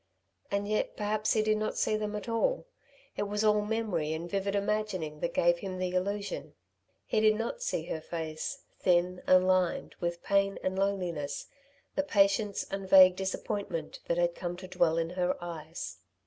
And yet perhaps, he did not see them at all. It was all memory and vivid imagining that gave him the illusion. He did not see her face, thin and lined with pain and loneliness, the patience and vague disappointment that had come to dwell in her eyes.